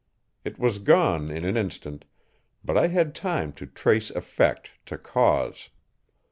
It was gone in an instant, but I had time to trace effect to cause.